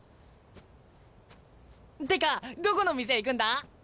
ってかどこの店行くんだ？